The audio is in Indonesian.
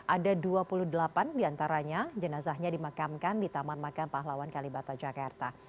ada dua puluh delapan di antaranya jenazahnya dimakamkan di taman makan pahlawan kalibata jakarta